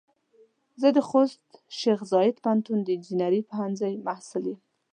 زه د خوست شیخ زايد پوهنتون د انجنیري پوهنځۍ محصل يم.